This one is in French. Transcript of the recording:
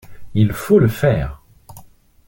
Il faut le faire